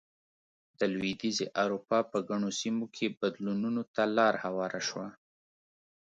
د لوېدیځې اروپا په ګڼو سیمو کې بدلونونو ته لار هواره شوه.